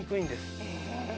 へえ。